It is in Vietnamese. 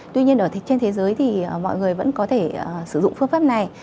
tuy nhiên ở trên thế giới thì mọi người vẫn có thể sử dụng phương pháp này